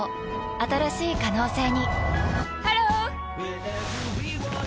新しい可能性にハロー！